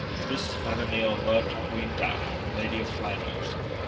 This Madanil loved Guinda, lady of Flanders.